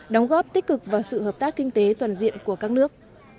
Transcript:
đóng góp tích cực vào sự hợp tác kinh tế toàn diện của các nước